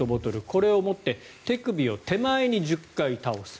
これを持って手首を手前に１０回倒す。